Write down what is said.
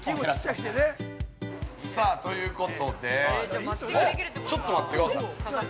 ◆ということでちょっと待ってください。